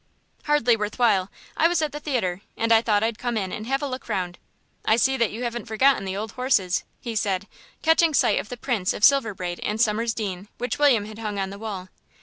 "Hardly worth while. I was at the theatre, and I thought I'd come in and have a look round.... I see that you haven't forgotten the old horses," he said, catching sight of the prints of Silver Braid and Summer's Dean which William had hung on the wall.